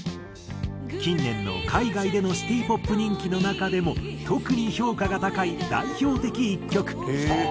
近年の海外でのシティ・ポップ人気の中でも特に評価が高い代表的１曲。